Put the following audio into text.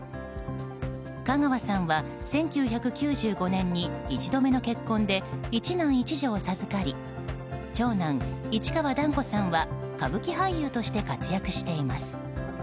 香川さんは１９９５年に１度目の結婚で一男一女を授かり長男・市川團子さんは歌舞伎俳優として活躍しています。